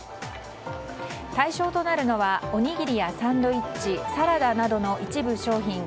対象となるのはおにぎりやサンドイッチサラダなどの一部商品